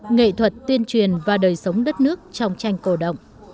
nghệ thuật tuyên truyền và đời sống đất nước trong tranh cổ động